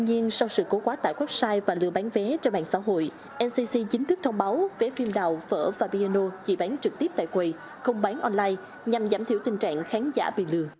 tuy nhiên sau sự cố quá tải website và lừa bán vé trên mạng xã hội ncc chính thức thông báo vé phim đào phở và piano chỉ bán trực tiếp tại quầy không bán online nhằm chiếm đoạt tiền